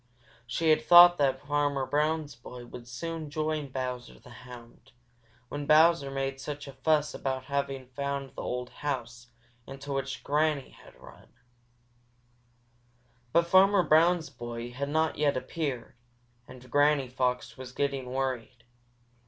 She had thought that Farmer Brown's boy would soon join Bowser the Hound, when Bowser made such a fuss about having found the old house into which Granny Fox had run. But Farmer Brown's boy had not yet appeared, and Granny Fox was getting worried.